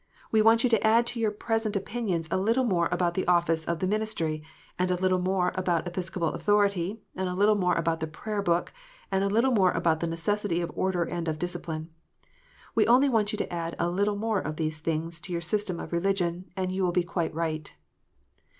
We want you to add to your present opinions a little more about the office of the ministry, and a little more about Epis copal authority, and little more about the Prayer book, and a little more about the necessity of order and of discipline. We only want you to add a little more of these things to your system of religion, and you will be quite right."